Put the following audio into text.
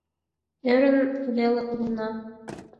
Ӧрын веле улына...